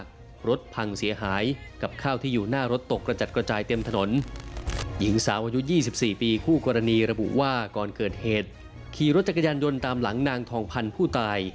กล่าวว่าเดี๋ยวเราก็ตีได้แล้วนะ